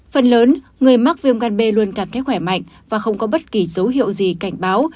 phần lớn người mắc viêm gan b luôn cảm thấy khỏe mạnh và không có bất kỳ dấu hiệu gì cảnh báo